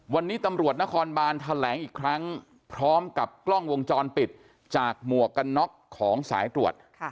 วันนี้ตำรวจนครบานแถลงอีกครั้งพร้อมกับกล้องวงจรปิดจากหมวกกันน็อกของสายตรวจ